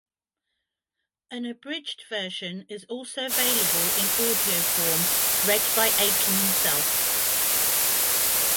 An abridged version is also available in audio form read by Aiken himself.